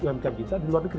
umkm kita di luar negeri